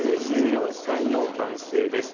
９４歳の男性です。